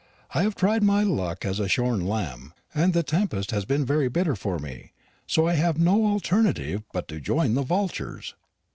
I have tried my luck as a shorn lamb, and the tempest has been very bitter for me; so I have no alternative but to join the vultures."